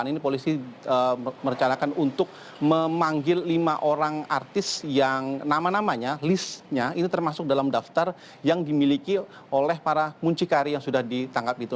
ini polisi merencanakan untuk memanggil lima orang artis yang nama namanya listnya itu termasuk dalam daftar yang dimiliki oleh para muncikari yang sudah ditangkap itu